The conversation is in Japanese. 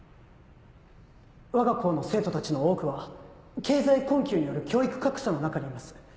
わが校の生徒たちの多くは経済困窮による教育格差の中にいます。